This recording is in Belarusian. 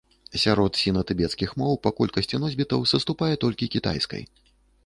Сярод сіна-тыбецкіх моў па колькасці носьбітаў саступае толькі кітайскай.